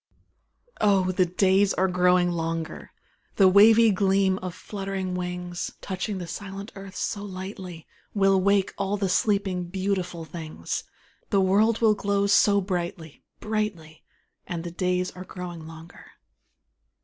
Oh, the days are growing longer, The wavy gleam of fluttering wings, Touching the silent earth so lightly, Will wake all the sleeping, beautiful things, The world will glow so brightly brightly; And the days are growing longer.